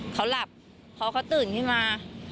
เขาหลับเพราะเขาตื่นที่มา